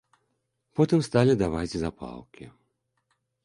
Потым сталі даваць запалкі.